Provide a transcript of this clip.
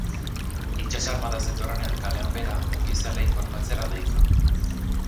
Itsas Armada zetorrean kalean behera, ofizialei formatzera deika.